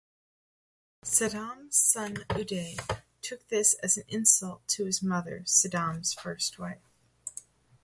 Saddam's son Uday took this as an insult to his mother, Saddam's first wife.